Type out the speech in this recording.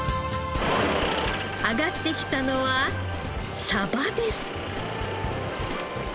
揚がってきたのはサバです。